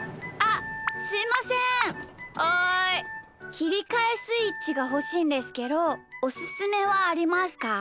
きりかえスイッチがほしいんですけどおすすめはありますか？